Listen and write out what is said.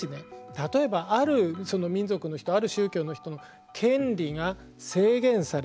例えばある民族の人ある宗教の人の権利が制限されていた。